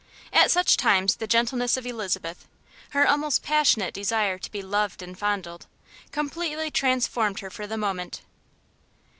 At such times the gentleness of Elizabeth, her almost passionate desire to be loved and fondled, completely transformed her for the moment.